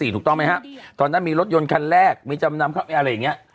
๑๒๓๔ถูกต้องไหมฮะตอนนั้นมีรถยนต์คันแรกมีจำนำเข้าไปอะไรอย่างนี้